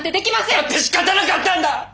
だってしかたなかったんだ！